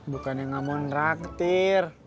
bukan yang gak mau traktir